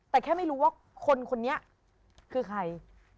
แต่แค่ไม่รู้ว่าคนคนนี้คือใคร